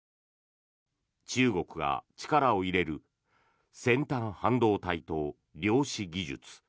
中国が力を入れる先端半導体と量子技術。